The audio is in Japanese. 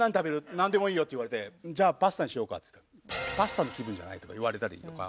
「なんでもいいよ」って言われて「じゃあパスタにしようか」「パスタの気分じゃない」とか言われたりとか。